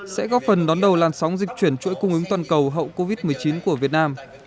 sẽ góp phần đón đầu làn sóng dịch chuyển chuỗi cung ứng toàn cầu hậu covid một mươi chín của việt nam